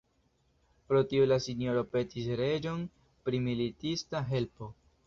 Pro tio la sinjoro petis reĝon pri militista helpo.